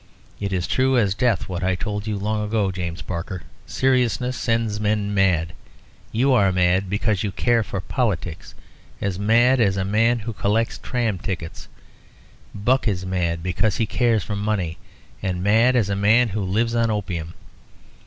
It is true as death what I told you long ago, James Barker, seriousness sends men mad. You are mad, because you care for politics, as mad as a man who collects tram tickets. Buck is mad, because he cares for money, as mad as a man who lives on opium.